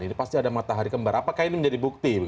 ini pasti ada matahari kembar apakah ini menjadi bukti